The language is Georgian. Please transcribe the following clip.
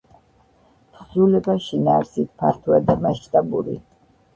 თხზულება შინაარსით ფართოა და მასშტაბური.